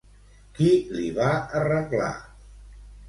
Qui li va arreglar?